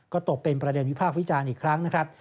ก็ตกเป็นประเด็นวิพากษ์วิจารณ์อีกครั้งนะครับ